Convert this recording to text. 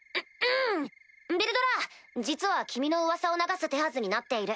ヴェルドラ実は君の噂を流す手はずになっている。